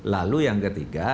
lalu yang ketiga